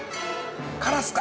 カラスか？